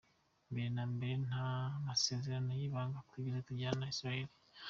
Mbere na mbere nta masezerano y’ibanga twigeze tugirana na Israel.